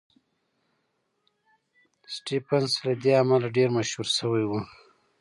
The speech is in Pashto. سټېفنس له دې امله ډېر مشهور شوی و.